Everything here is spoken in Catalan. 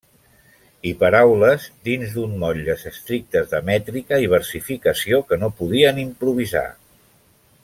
I paraules dins d'uns motlles estrictes de mètrica i versificació que no podien improvisar.